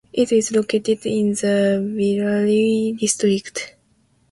It is located in the Villeray district.